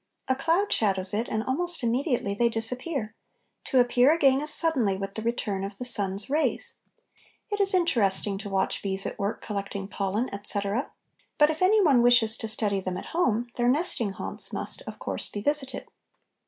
A cloud shadows it, and almost immediately they disappear, to appear again as suddenly with the return of the sun's rays. It is interesting to watch bees at work collecting pollen, etc., but if any one wishes to study them at home, their nesting haunts must, of course, be visited.